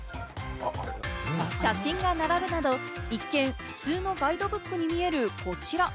写真が並ぶなど、一見普通のガイドブックに見えるこちら。